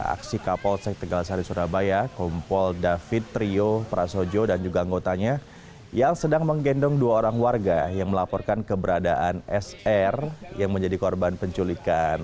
aksi kapolsek tegal sari surabaya kompol david trio prasojo dan juga anggotanya yang sedang menggendong dua orang warga yang melaporkan keberadaan sr yang menjadi korban penculikan